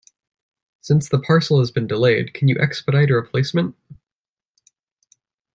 Since the parcel has been delayed, can you expedite a replacement?